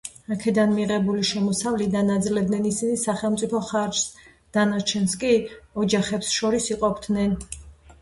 აქედან მიღებული შემოსავლიდან აძლევდნენ ისინი „სახელმწიფო ხარჯს“, დანარჩენს კი ოჯახებს შორის იყოფდნენ.